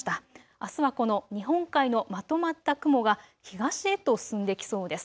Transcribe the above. あすはこの日本海のまとまった雲が東へと進んできそうです。